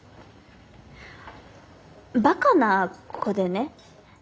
バカな子でね